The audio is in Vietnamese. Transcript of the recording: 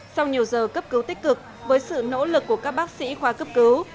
sau nhiều giờ cấp cứu tích cực với sự nỗ lực của các bác sĩ khoa cấp cứu